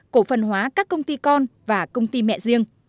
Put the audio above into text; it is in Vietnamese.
cổ phần hóa các công ty con và công ty mẹ riêng